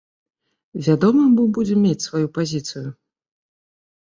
Вядома, мы будзем мець сваю пазіцыю.